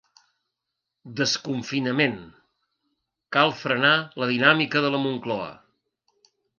Desconfinament: cal frenar la dinàmica de la Moncloa